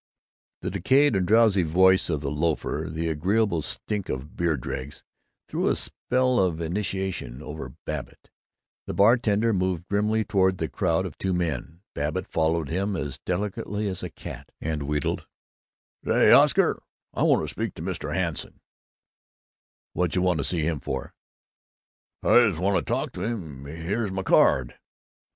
The decayed and drowsy voice of the loafer, the agreeable stink of beer dregs, threw a spell of inanition over Babbitt. The bartender moved grimly toward the crowd of two men. Babbitt followed him as delicately as a cat, and wheedled, "Say, Oscar, I want to speak to Mr. Hanson." "Whajuh wanta see him for?" "I just want to talk to him. Here's my card."